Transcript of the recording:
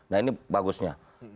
nah ini bagusnya